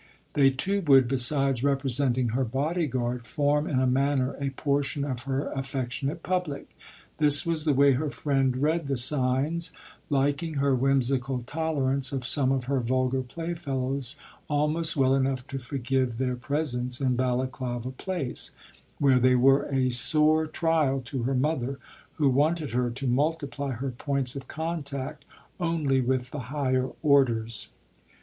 They too would, besides representing her body guard, form in a manner a portion of her affectionate public. This was the way her friend read the signs, liking her whimsical tolerance of some of her vulgar playfellows almost well enough to forgive their presence in Balaklava Place, where they were a sore trial to her mother, who wanted her to multiply her points of contact only with the higher orders.